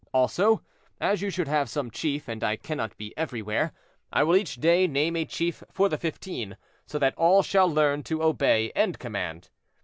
Also, as you should have some chief, and I cannot be everywhere, I will each day name a chief for the fifteen, so that all shall learn to obey and command.